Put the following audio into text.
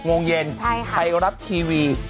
๖โมงเย็นใครรับทีวี